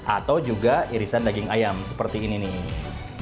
atau juga irisan daging ayam seperti ini nih